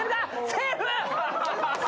セーフ！